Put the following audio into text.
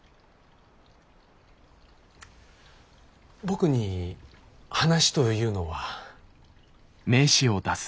僕に話というのは？